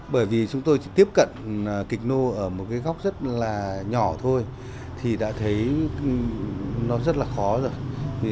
bởi vì chúng tôi tiếp cận kịch nô ở một cái góc rất là nhỏ thôi thì đã thấy nó rất là khó rồi